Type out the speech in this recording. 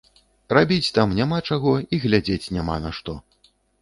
Рабіць там няма чаго і глядзець няма на што.